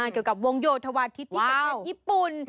เกี่ยวกับวงโยธวาทิศที่ประเทศญี่ปุ่น